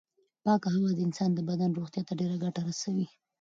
پاکه هوا د انسان د بدن روغتیا ته ډېره ګټه رسوي.